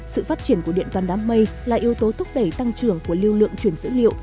sự phát triển của điện toàn đám mây là yếu tố thúc đẩy tăng trưởng của lưu lượng chuyển dữ liệu